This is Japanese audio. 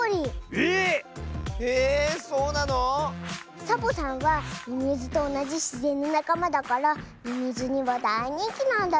えっ⁉えそうなの⁉サボさんはミミズとおなじしぜんのなかまだからミミズにはだいにんきなんだズー。